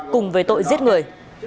cùng với tội giết người